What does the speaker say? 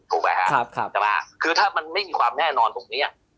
ถูกไหมครับใช่ไหมคือถ้ามันไม่มีความแน่นอนตรงนี้